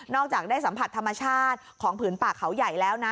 จากได้สัมผัสธรรมชาติของผืนป่าเขาใหญ่แล้วนะ